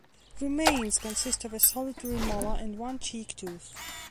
Remains consist of a solitary molar and one cheek tooth.